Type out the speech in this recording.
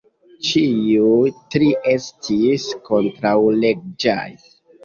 Ĉiuj tri estis kontraŭleĝaj.